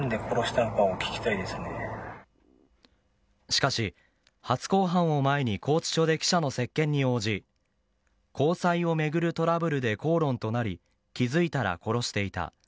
しかし、初公判を前に拘置所で記者の接見に応じ交際を巡るトラブルで口論となり気づいたら殺していた。